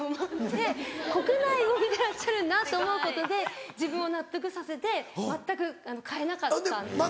国内を見てらっしゃるなと思うことで自分を納得させて全く変えなかったんです。